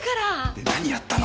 で何やったの？